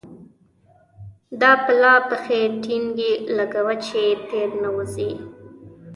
دا پلا پښې ټينګې لګوه چې تېر نه وزې.